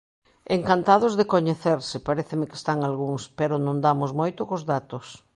Encantados de coñecerse, paréceme que están algúns, pero non damos moito cos datos.